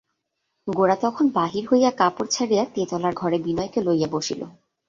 গোরা তখন বাহির হইয়া কাপড় ছাড়িয়া তেতলার ঘরে বিনয়কে লইয়া বসিল।